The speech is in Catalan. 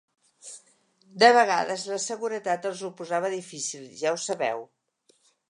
De vegades, la seguretat els ho posava difícil, ja ho sabeu.